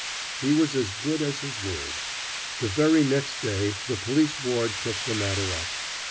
He was as good as his word. The very next day the Police Board took the matter up.